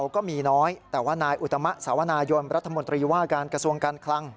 ก็มีน้อยแต่ว่านายอุตมะสาวนายนรัฐมนตรีว่าการกระทรวงการคลัง